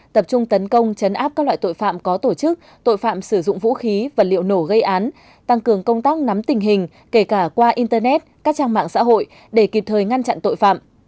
tập trung tấn công chấn áp các loại tội phạm có tổ chức tội phạm sử dụng vũ khí vật liệu nổ gây án tăng cường công tác nắm tình hình kể cả qua internet các trang mạng xã hội để kịp thời ngăn chặn tội phạm